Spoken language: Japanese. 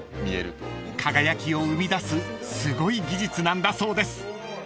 ［輝きを生み出すすごい技術なんだそうです］